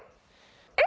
えっ？